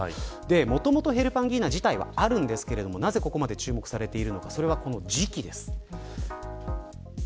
もともとヘルパンギーナ自体はありますがなぜ、ここまで注目されているのかそれは、この時期です。